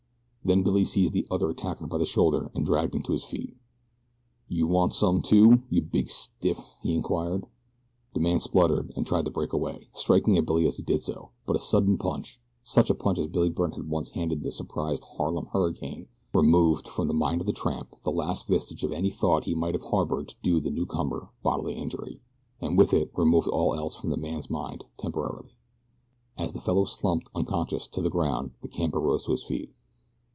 Then Billy seized the other attacker by the shoulder and dragged him to his feet. "Do you want some, too, you big stiff?" he inquired. The man spluttered and tried to break away, striking at Billy as he did so; but a sudden punch, such a punch as Billy Byrne had once handed the surprised Harlem Hurricane, removed from the mind of the tramp the last vestige of any thought he might have harbored to do the newcomer bodily injury, and with it removed all else from the man's mind, temporarily. As the fellow slumped, unconscious, to the ground, the camper rose to his feet.